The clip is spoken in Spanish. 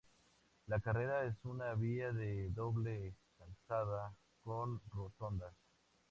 La carretera es una vía de doble calzada con rotondas.